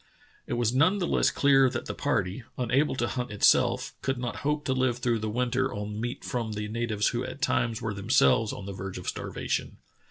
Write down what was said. It was none the less clear that the party, unable to hunt itself, could not hope to live through the winter on meat from the natives who at times were themselves on the verge of starvation.